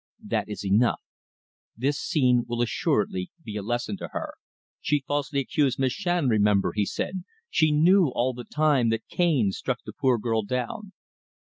"That is enough. This scene will assuredly be a lesson to her." "She falsely accused Miss Shand, remember," he said. "She knew all the time that Cane struck the poor girl down."